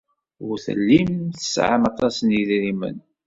Ur tellim tesɛam aṭas n yedrimen.